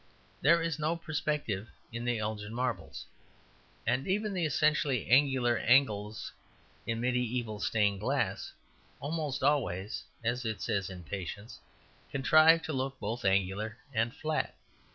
There is no perspective in the Elgin Marbles, and even the essentially angular angels in mediaeval stained glass almost always (as it says in "Patience") contrive to look both angular and flat.